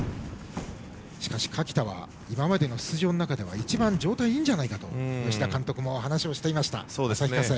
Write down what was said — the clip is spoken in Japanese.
しかし、垣田は今までの出場の中では一番状態がいいんじゃないかと旭化成の吉田監督も話をしていました。